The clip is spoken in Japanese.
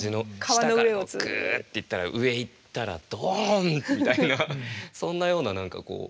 下からぐって行ったら上行ったらドンみたいなそんなような何かこう。